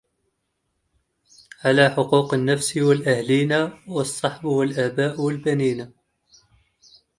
على حقوق النفس والأهلِينا والصحب والآباء والبنِينا